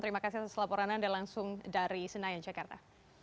terima kasih atas laporan anda langsung dari senayan jakarta